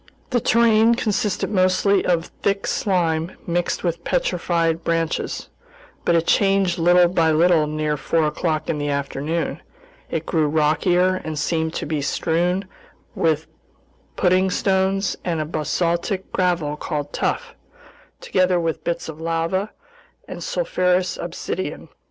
The terrain consisted mostly of thick slime mixed with petrified branches, but it changed little by little near four o'clock in the afternoon; it grew rockier and seemed to be strewn with pudding stones and a basaltic gravel called "tuff," together with bits of lava and sulfurous obsidian.